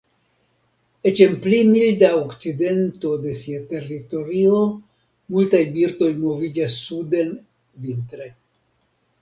Eĉ en pli milda okcidento de sia teritorio, multaj birdoj moviĝas suden vintre.